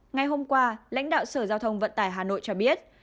ngày hôm qua lãnh đạo sở giao thông vận tải hà nội cho biết